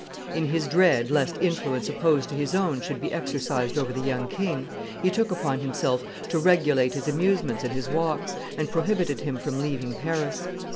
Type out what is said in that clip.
In his dread lest influence opposed to his own should be exercised over the young king, he took upon himself to regulate his amusements and his walks, and prohibited him from leaving Paris.